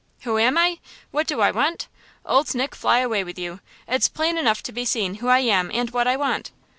"Who am I? What do I want? Old Nick fly away with you! It's plain enough to be seen who I am and what I want.